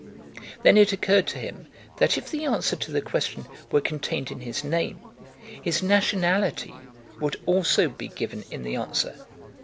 Then it occurred to him: if the answer to the question were contained in his name, his nationality would also be given in the answer.